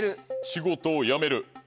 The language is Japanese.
仕事を辞める。